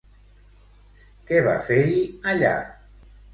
Què va fer-hi, allà?